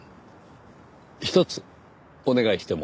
ひとつお願いしても？